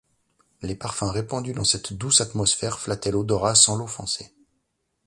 Les parfums répandus dans cette douce atmosphère flattaient l’odorat sans l’offenser.